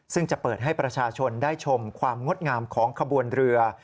ซึ่งจะเปิดให้ประชาชนได้ชมความงดงามของขบวนเรือ